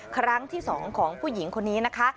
ครั้งที่๒ของผู้หญิงคนนี้นะคะ